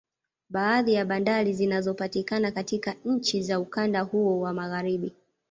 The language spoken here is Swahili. Baadhi ya bandari zinazopatikana katika nchi za ukanda huo wa Magharibi